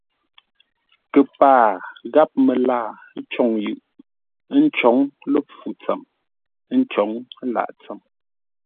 Kəpaa gháp məlaa côŋ yʉʼ, ə́ ncǒŋ ləpfû tsəm, ə́ ncǒŋ lâʼ tsəm.